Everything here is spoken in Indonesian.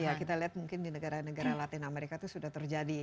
iya kita lihat mungkin di negara negara latin amerika itu sudah terjadi